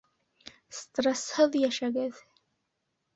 Стресһыҙ йәшәгеҙ!